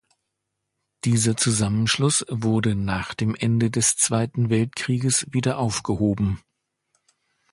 Dieser Zusammenschluss wurde nach dem Ende des Zweiten Weltkrieges wieder aufgehoben.